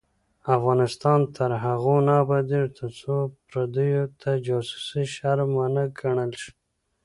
افغانستان تر هغو نه ابادیږي، ترڅو پردیو ته جاسوسي شرم ونه ګڼل شي.